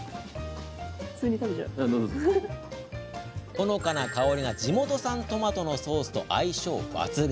ほのかな香りが地元産トマトのソースと相性抜群。